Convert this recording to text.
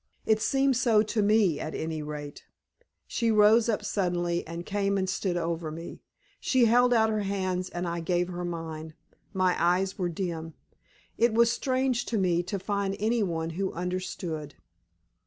It seems so to me, at any rate." She rose up suddenly, and came and stood over me. She held out her hands, and I gave her mine. My eyes were dim. It was strange to me to find any one who understood.